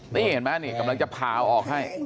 นี่เห็นไหมนี่กำลังจะพาออกให้